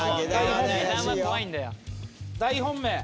大本命。